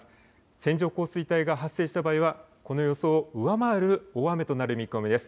線状降水帯が発生した場合はこの予想を上回る大雨となる見込みです。